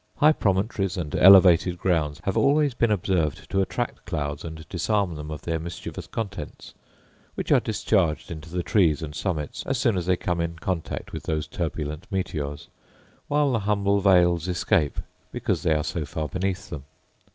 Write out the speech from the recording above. High promontories, and elevated grounds, have always been observed to attract clouds and disarm them of their mischievous contents, which are discharged into the trees and summits as soon as they come in contact with those turbulent meteors; while the humble vales escape, because they are so far beneath them.